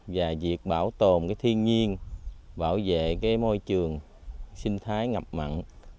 và việc bảo tồn thiên nhiên bảo vệ môi trường sinh thái ngập mặn